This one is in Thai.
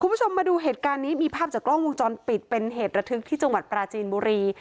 คุณผู้ชมมาดูเหตุการณ์นี้มีภาพจากกล้องวงจรปิดเป็นเหตุระทึกที่จังหวัดปราจีนบุรี